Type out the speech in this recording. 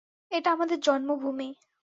এটা আমাদের জন্মভূমি।